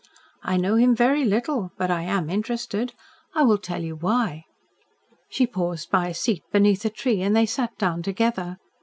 "I know him very little. But I am interested. I will tell you why." She paused by a seat beneath a tree, and they sat down together.